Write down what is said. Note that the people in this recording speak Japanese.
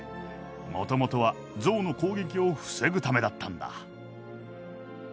もともとは象の攻撃を防ぐためだったんだ。